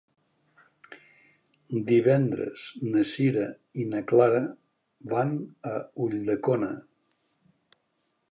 Divendres na Sira i na Clara van a Ulldecona.